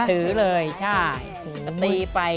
ถือเลยใช่